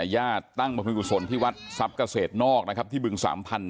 ญาติตั้งมาคุณกุศลที่วัดทรัพย์เกษตรนอกที่บึงสามพันธุ์